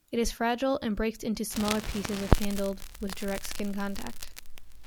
It is fragile and breaks into smaller pieces if handled with direct skin contact.